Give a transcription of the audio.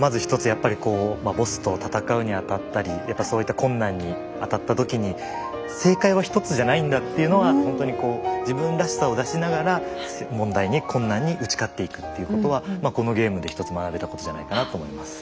やっぱりボスと戦うにあたったりやっぱそういった困難にあたった時に正解は一つじゃないんだっていうのは本当に自分らしさを出しながら問題に困難に打ち勝っていくということはこのゲームで一つ学べたことじゃないかなと思います。